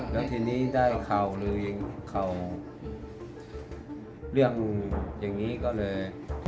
แล้วทีนี้ได้เขาหรือเขาเรียกอย่างนี้ก็เลย